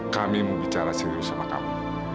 kami mau bicara serius sama kami